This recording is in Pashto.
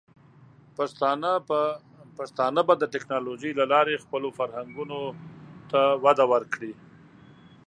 پښتانه به د ټیکنالوجۍ له لارې خپلو فرهنګونو ته وده ورکړي.